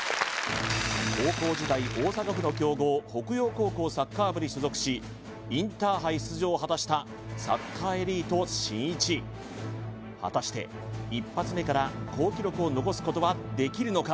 高校時代に所属しインターハイ出場を果たしたサッカーエリートしんいち果たして１発目から好記録を残すことはできるのか？